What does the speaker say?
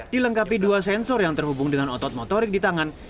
dilengkapi dua sensor yang terhubung dengan otot motorik di tangan